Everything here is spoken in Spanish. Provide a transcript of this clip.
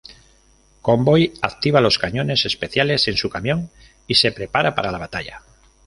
Convoy activa los cañones especiales en su camión y se prepara para la batalla.